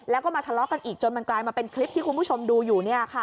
แล้วก็มาทะเลาะกันอีกจนมันกลายมาเป็นคลิปที่คุณผู้ชมดูอยู่